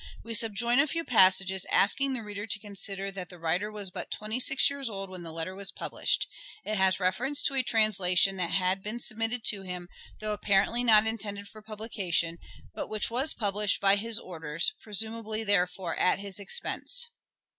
We subjoin a few passages, asking the reader to consider that the writer was but twenty six years old when the letter was published. It has reference to a translation that had been submitted to him, though apparently not intended for publication, but which was published by his orders — presumably, therefore, at his expense.